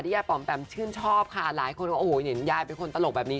ยายปอมแปมชื่นชอบค่ะหลายคนว่าโอ้โหเห็นยายเป็นคนตลกแบบนี้